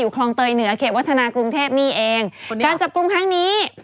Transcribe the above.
การจับกลุ่มครั้งนี้